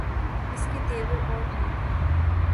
اس کے تیور اور ہیں۔